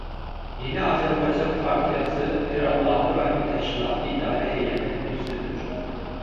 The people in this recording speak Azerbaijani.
Yeni Azərbaycan Partiyası Pirallahı Rayon Təşkilatı İdarə Heyətinin üzvüdür.